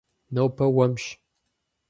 Нобэ уэмщ.